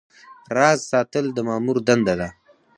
راز ساتل د مامور دنده ده